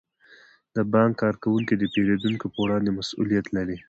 د بانک کارکوونکي د پیرودونکو په وړاندې مسئولیت لري.